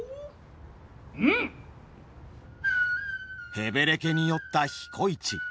へべれけに酔った彦市。